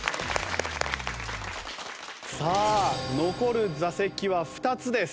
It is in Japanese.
さあ残る座席は２つです。